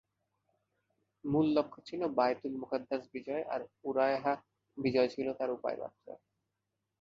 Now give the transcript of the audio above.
মূল লক্ষ্য ছিল বায়তুল মুকাদ্দাস বিজয় আর উরায়হা বিজয় ছিল তার উপায় মাত্র।